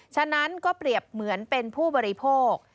ฉะนั้นก็เปรียบเหมือนเป็นผู้บริโภค